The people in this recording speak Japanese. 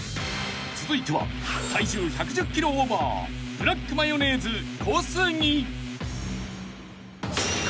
［続いては体重１１０ｋｇオーバーブラックマヨネーズ小杉］